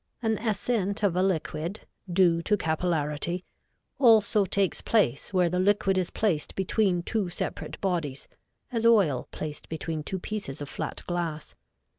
An ascent of a liquid, due to capillarity, also takes place, where the liquid is placed between two separate bodies, as oil placed between two pieces of flat glass.